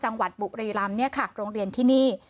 จังหวัดบุรีรำนี่ค่ะโรงเรียนที่นี่